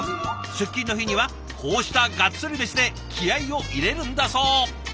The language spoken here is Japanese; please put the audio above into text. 出勤の日にはこうしたガッツリ飯で気合いを入れるんだそう。